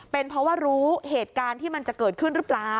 เป็นเพราะว่ารู้เหตุการณ์ที่มันจะเกิดขึ้นหรือเปล่า